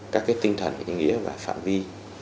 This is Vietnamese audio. các cái tinh thần ý nghĩa và phản vi